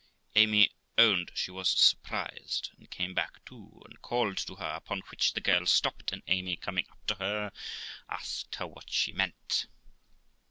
Amy owned she was surprised, and came back too, and called to her, upon which the girl stopped, and Amy coming up to her, asked her what she meant?